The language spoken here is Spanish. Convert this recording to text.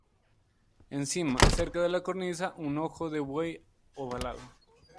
Encima, cerca de la cornisa, un ojo de buey ovalado.